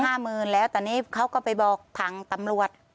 หมื่นแล้วตอนนี้เขาก็ไปบอกทางตำรวจ